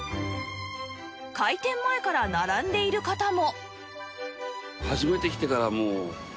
開店前から並んでいる方も